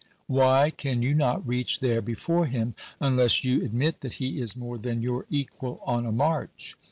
Why can you not reach there before him, unless you ad mit that he is more than your equal on a march